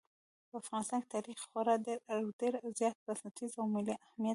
په افغانستان کې تاریخ خورا ډېر او ډېر زیات بنسټیز او ملي اهمیت لري.